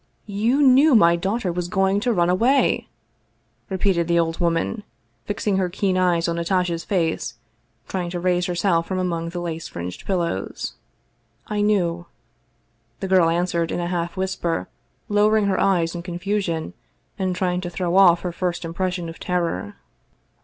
" You knew my daughter was going to run away?" re peated the old woman, fixing her keen eyes on Natasha's face, trying to raise herself from among the lace fringed pillows. " I knew," the girl answered in a half whisper, lowering her eyes in confusion, and trying to throw off her first im pression of terror.